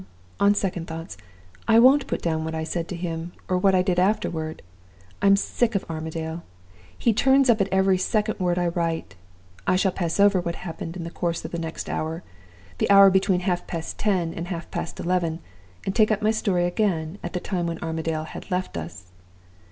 On second thoughts. I won't put down what I said to him, or what I did afterward. I'm sick of Armadale! he turns up at every second word I write. I shall pass over what happened in the course of the next hour the hour between half past ten and half past eleven and take up my story again at the time when Armadale had left us.